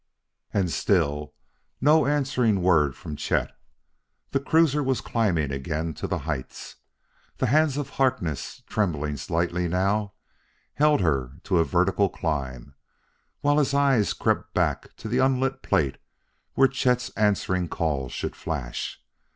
And still no answering word from Chet. The cruiser was climbing again to the heights. The hands of Harkness, trembling slightly now, held her to a vertical climb, while his eyes crept back to the unlit plate where Chet's answering call should flash.